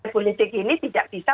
politik ini tidak bisa